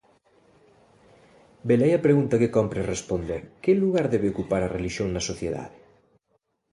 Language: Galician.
Velaí a pregunta que cómpre responder Que lugar debe ocupar a relixión na sociedade?